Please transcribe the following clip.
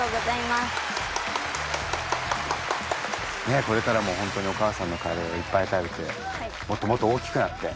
ねえこれからも本当にお母さんのカレーいっぱい食べてもっともっと大きくなって。